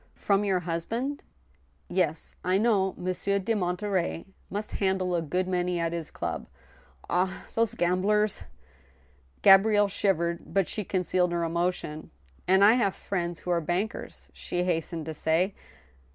"From your husband? Yes, I know Monsieur de Monterey must handle a good many at his club. ... Ah ! those gamblers !" Gabrielle shivered, but she concealed her emotion. ." And I have friends who are bankers," she hastened to say.